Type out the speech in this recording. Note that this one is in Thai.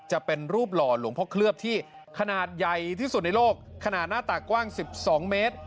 จะเป็นรูปหล่อหลวงพ่อเคลือบที่ขนาดใหญ่ที่สุดในโลกขนาดหน้าตากกว้าง๑๒เมตร